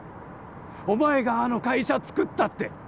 お前があの会社つくったって